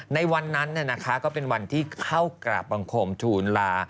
ในวันนั้นก็เป็นวันที่เข้ากราบบังคมทูลลา